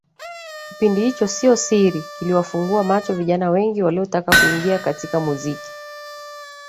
Kipindi hicho sio siri kiliwafungua macho vijana wengi waliotaka kuingia katika muziki